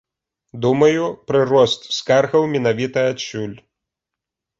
Думаю, прырост скаргаў менавіта адсюль.